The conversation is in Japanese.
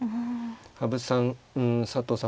羽生さん佐藤さん